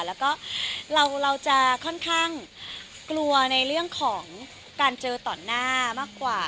แล้วก็เราจะค่อนข้างกลัวในเรื่องของการเจอต่อหน้ามากกว่า